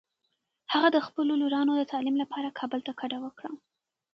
هغه د خپلو لورانو د تعلیم لپاره کابل ته کډه وکړه.